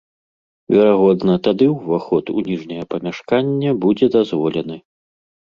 Верагодна, тады ўваход у ніжняе памяшканне будзе дазволены.